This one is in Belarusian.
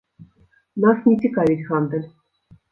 Нас не цікавіць гандаль.